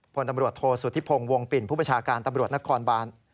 พลตำรวจโทษสุธิพงศ์วงปิ่นผู้ประชาการตำรวจนครบาน